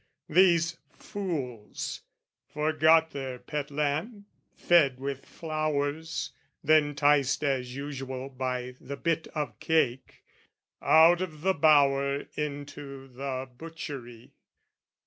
These fools forgot their pet lamb, fed with flowers, Then 'ticed as usual by the bit of cake, Out of the bower into the butchery.